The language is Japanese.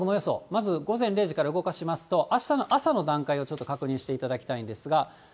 まず午前０時から動かしますと、あしたの朝の段階をちょっと確認していただきたいんですが。